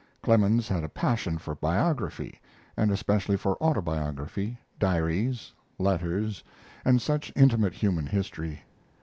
Clemens had a passion for biography, and especially for autobiography, diaries, letters, and such intimate human history.